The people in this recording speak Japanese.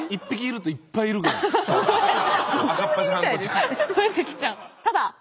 １匹いるといっぱいいるから。